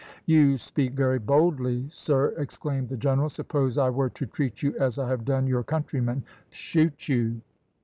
"You speak very boldly, sir!" exclaimed the general; "suppose I were to treat you as I have done your countrymen shoot you."